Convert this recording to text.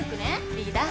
リーダー。